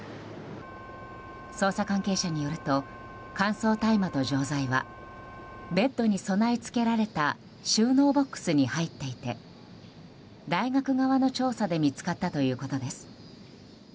捜査関係者によると乾燥大麻と錠剤はベッドに備え付けられた収納ボックスに入っていて大学側の調査で見つかったということです。